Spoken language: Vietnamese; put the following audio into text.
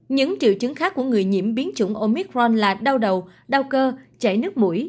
những triệu chứng khác của người nhiễm biến chủng omicron là đau đầu đau cơ chảy nước mũi